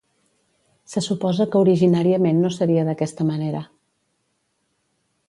Se suposa que originàriament no seria d'aquesta manera.